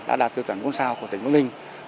đã đạt tiêu chuẩn bốn sao của tỉnh vũng linh